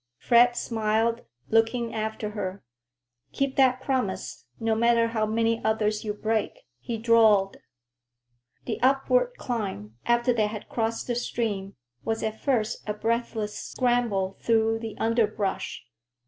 Fred smiled, looking after her. "Keep that promise, no matter how many others you break," he drawled. The upward climb, after they had crossed the stream, was at first a breathless scramble through underbrush.